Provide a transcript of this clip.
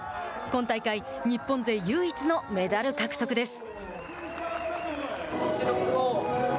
今大会、日本勢唯一のメダル獲得です。